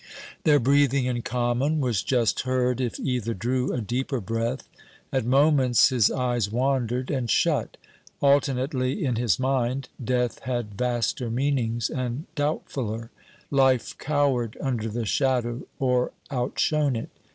Their breathing in common was just heard if either drew a deeper breath. At moments his eyes wandered and shut. Alternately in his mind Death had vaster meanings and doubtfuller; Life cowered under the shadow or outshone it.